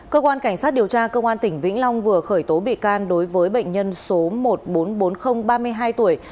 cơ quan cảnh sát điều tra công an tỉnh vĩnh long vừa khởi tố bị can đối với bệnh nhân số một nghìn bốn trăm bốn mươi ba mươi hai tuổi